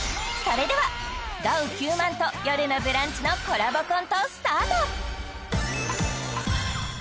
それではダウ９００００と「よるのブランチ」のコラボコントスタート！